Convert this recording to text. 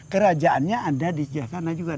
kerajaannya ada di jakarta juga